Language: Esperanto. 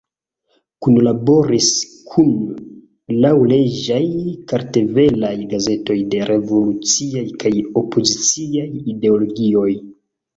Kunlaboris kun laŭleĝaj kartvelaj gazetoj de revoluciaj kaj opoziciaj ideologioj.